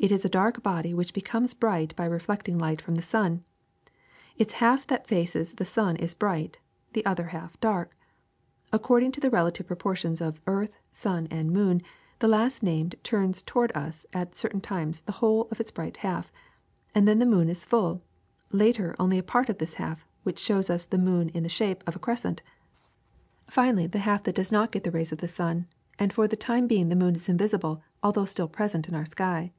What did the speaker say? It is a dark body which becomes bright by reflecting the light from the sun. Its half that faces the sun is bright, the other dark. Accord ing to the relative positions of earth, sun, and moon, the last named turns toward us at certain times the whole of its bright half, and then the moon is full; later only a part of this half, which shows us the moon in the shape of a crescent ; finally the half that LIGHT 381 does not get the rays of the sun, and for the time being the moon is invisible although still present in our sky.